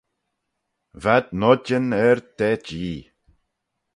V'ad noidjyn ard da Jee.